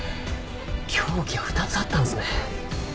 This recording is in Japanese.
凶器は２つあったんですね。